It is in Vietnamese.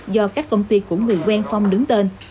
do các công ty của người quen phong đứng tên